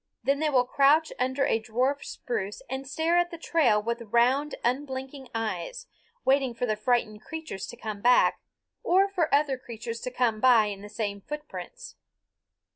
Then they will crouch under a dwarf spruce and stare at the trail with round unblinking eyes, waiting for the frightened creatures to come back, or for other creatures to come by in the same footprints.